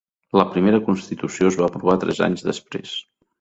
La primera constitució es va aprovar tres anys després.